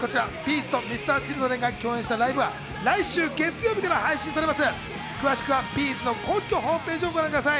’ｚとＭｒ．Ｃｈｉｌｄｒｅｎが共演したライブは来週月曜日から配信されます。